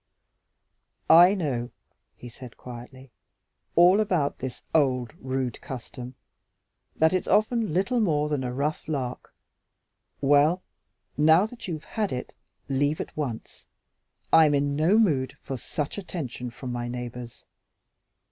"I know," he said quietly, "all about this old, rude custom that it's often little more than a rough lark. Well, now that you've had it, leave at once. I'm in no mood for such attention from my neighbors.